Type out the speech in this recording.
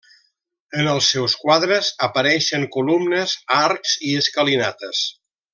En els seus quadres apareixen columnes, arcs i escalinates.